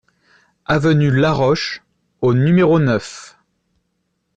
Avenue Laroche au numéro neuf